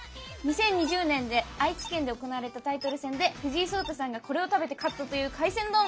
２０２０年愛知県で行われたタイトル戦で藤井聡太さんがこれを食べて勝ったという「海鮮丼」！